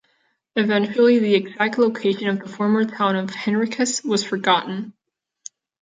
Eventually the exact location of the former town of Henricus was forgotten.